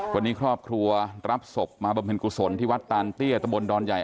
วันนี้ครอบครัวรับศพมาบำเพ็ญกุศลที่วัดตานเตี้ยตะบนดอนใหญ่